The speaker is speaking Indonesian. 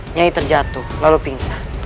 nyai terjatuh lalu pingsan